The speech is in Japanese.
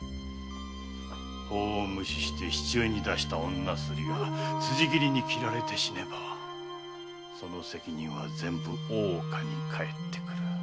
法を無視して市中に出した女スリが辻斬りに斬られて死ねばその責任は全部大岡に返ってくる。